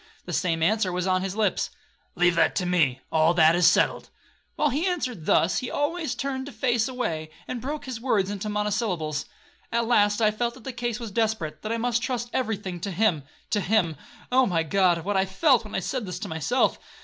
The same answer was on his lips,—'Leave that to me,—all that is settled.' While he answered thus, he always turned his face away, and broke his words into monosyllables. At last I felt that the case was desperate,—that I must trust every thing to him. To him! Oh, my God! what I felt when I said this to myself!